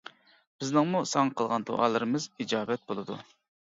بىزنىڭمۇ ساڭا قىلغان دۇئالىرىمىز ئىجابەت بولىدۇ.